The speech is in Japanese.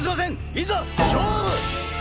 いざ勝負！